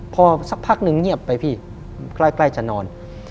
พอสักพักนึงเงียบไปพี่ใกล้จะนอน